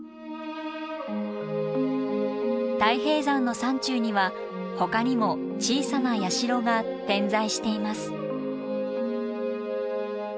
太平山の山中にはほかにも小さな社が点在しています。